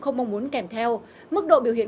không mong muốn kèm theo mức độ biểu hiện